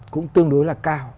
cũng tương đối là cao